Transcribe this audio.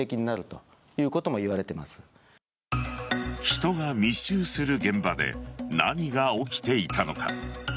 人が密集する現場で何が起きていたのか。